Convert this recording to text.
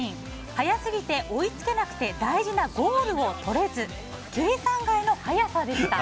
速すぎて追いつけなくて大事なゴールを撮れず計算外の速さでした。